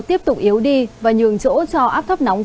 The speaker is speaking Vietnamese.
tiếp tục yếu đi và nhường chỗ cho áp thấp nóng